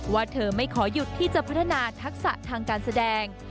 เธอไม่ขอหยุดที่จะพัฒนาทักษะทางการแสดง